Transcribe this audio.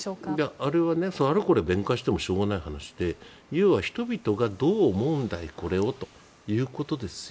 あれはあれこれ弁解してもしょうがない話で要は人々がどう思うんだい、これをということですよ。